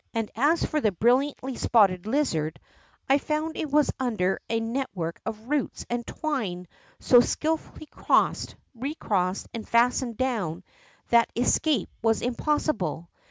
And as for the bril liantly spotted lizard, I found it was under a net work of roots and twine so skilfully crossed, recrossed and fastened do^vn, that escape was impossible.